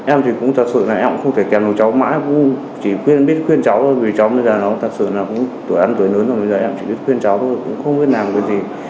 em cũng thật sự không thể kèm đồ cháu mãi chỉ biết khuyên cháu thôi vì cháu bây giờ cũng tuổi ăn tuổi lớn rồi bây giờ em chỉ biết khuyên cháu thôi không biết làm cái gì